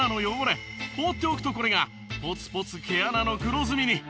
放っておくとこれがポツポツ毛穴の黒ずみに。